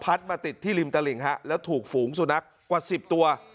มาติดที่ริมตลิ่งฮะแล้วถูกฝูงสุนัขกว่า๑๐ตัว